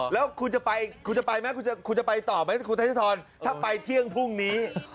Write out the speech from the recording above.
แล้วคุณจะไปต่อไหมถ้าไปเที่ยงพรุ่งนี้